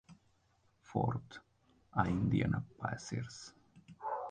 Ford a Indiana Pacers.